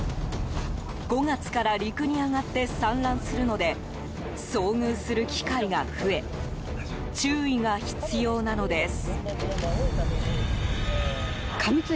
５月から陸に上がって産卵するので遭遇する機会が増え注意が必要なのです。